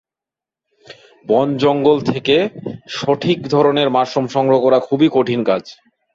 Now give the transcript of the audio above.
বন-জঙ্গল থেকে সঠিক ধরনের মাশরুম সংগ্রহ করা খুবই কঠিন কাজ।